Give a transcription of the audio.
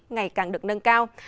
ngày càng được nâng cao